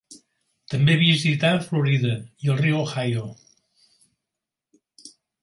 També visità Florida i el riu Ohio.